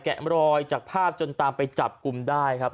รอยจากภาพจนตามไปจับกลุ่มได้ครับ